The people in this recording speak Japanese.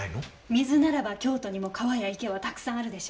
水ならば京都にも川や池はたくさんあるでしょ。